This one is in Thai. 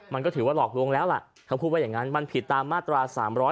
มันก็ถือว่าหลอกลวงแล้วล่ะเขาพูดว่าอย่างนั้นมันผิดตามมาตรา๓๒